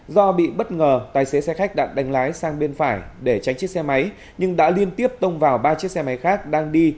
do bị bất ngờ tài xế xe khách đã đánh lái sang bên phải để tránh chiếc xe máy nhưng đã liên tiếp tông vào ba chiếc xe máy khác đang đi